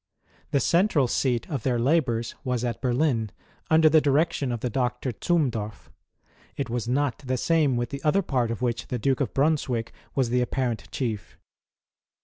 Tlie central seat of their labours was at Berlin, under the direction of the Doctor Zumdorf. It was not the same with the other part of which the Duke of Brunswick was the aj)parcnt Chief.